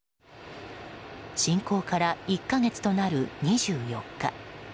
侵攻から１か月となる２４日。